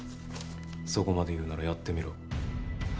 そこまで言うんならやってみろ。